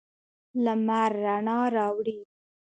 لمر رڼا راوړي.